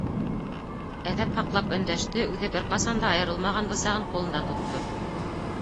Әҙәп һаҡлап өндәште, үҙе бер ҡасан да айырылмаған бысағын ҡулында тотто.